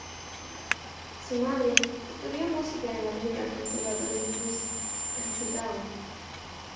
Su madre estudió música en el American Conservatory of Music en Chicago.